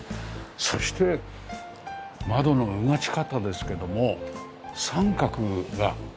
そして窓の穿ち方ですけども三角が。